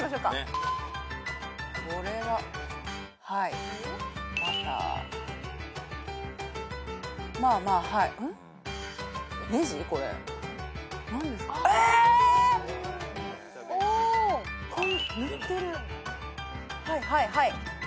はいはいはい。